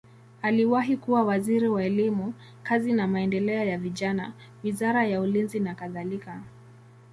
Aliwahi kuwa waziri wa elimu, kazi na maendeleo ya vijana, wizara ya ulinzi nakadhalika.